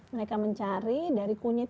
mereka mencari dari kunyit